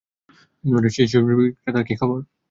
সেই সবজি বিক্রেতার কি খবর?